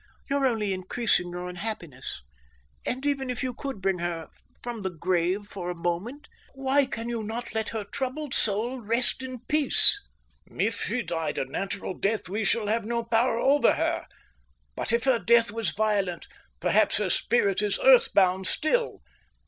You're only increasing your unhappiness. And even if you could bring her from the grave for a moment, why can you not let her troubled soul rest in peace?" "If she died a natural death we shall have no power over her, but if her death was violent perhaps her spirit is earthbound still.